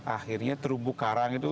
akhirnya terumbu karang itu